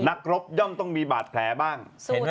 รบย่อมต้องมีบาดแผลบ้าง